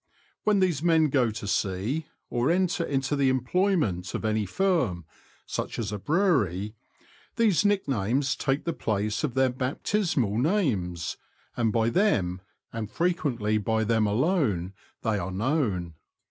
When these men go to sea, or enter into the employment of any firm (such as a brewery), these nicknames take the place of their baptismal names, and by them, and frequently by them alone, they are known.